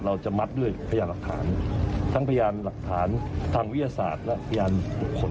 เราจะมัดด้วยพยานหลักฐานทั้งพยานหลักฐานทางวิทยาศาสตร์และพยานบุคคล